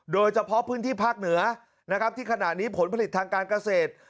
โดยเฉพาะพื้นที่ภาคเหนือนะครับที่ขณะนี้ผลผลิตทางการเกษตร